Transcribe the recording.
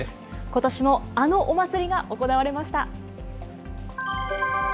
ことしもあのお祭りが行われました。